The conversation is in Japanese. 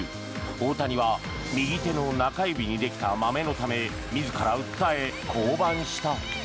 大谷は右手の中指にできたまめのため自ら訴え降板した。